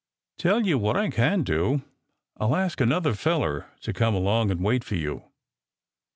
Tell you what I can do, I ll ask another feller to come along and wait for you."